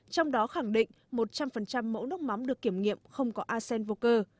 trong đó khẳng định một trăm linh mẫu nước mắm được kiểm nghiệm không có acen vô cơ